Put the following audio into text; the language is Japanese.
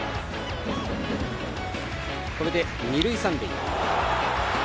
これで二塁三塁。